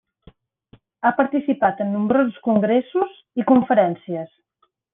Ha participat en nombrosos congressos i conferències.